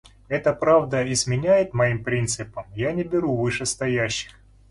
Это правда изменяет моим принципам, я не беру у вышестоящих.